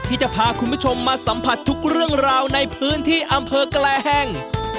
ที่จะพาคุณผู้ชมมาสัมผัสทุกเรื่องราวในพื้นที่อำเภอแกลงแห้ง